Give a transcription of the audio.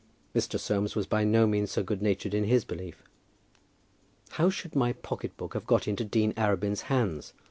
Mr. Soames was by no means so good natured in his belief. "How should my pocket book have got into Dean Arabin's hands?"